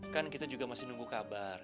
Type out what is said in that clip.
kan kita juga masih nunggu kabar